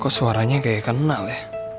kok suaranya gaya kenal ya